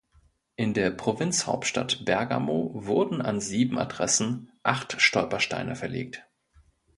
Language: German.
In der Provinzhauptstadt Bergamo wurden an sieben Adressen acht Stolpersteine verlegt.